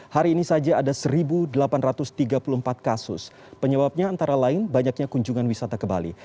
hari ini saja ada satu delapan ratus tiga puluh empat kasus penyebabnya antara lain banyaknya kunjungan wisata ke bali